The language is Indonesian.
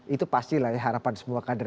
itu pastilah ya harapan semua kader